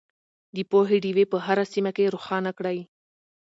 د پوهې ډیوې په هره سیمه کې روښانه کړئ.